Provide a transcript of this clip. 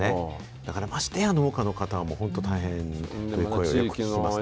だからましてや農家の方は本当大変という声をよく聞きますね。